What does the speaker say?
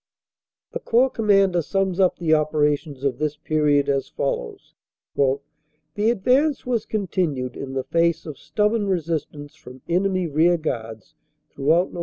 The Corps Commander sums up the operations of this period as follows: "The advance was continued in the face of stubborn resistance from enemy rearguards throughout Nov.